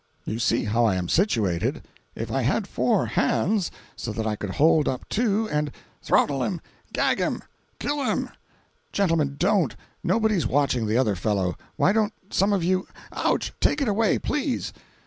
"You see how I am situated. If I had four hands—so that I could hold up two and—" "Throttle him! Gag him! Kill him!" "Gentlemen, don't! Nobody's watching the other fellow. Why don't some of you—. Ouch! Take it away, please!